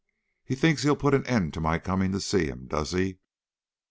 he thinks he'll put an end to my coming to see him, does he?